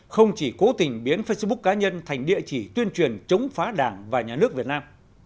không chỉ cố tình biến facebook cá nhân thành địa chỉ tuyên truyền chống phá đảng và nhà nước việt nam